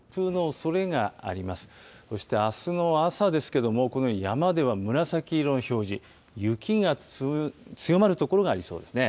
そしてあすの朝ですけども、このように山では紫色の表示、雪が強まる所がありそうですね。